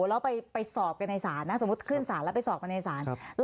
แล้วไปสอบกันในศาลนะสมมุติขึ้นศาลแล้วไปสอบกันในศาล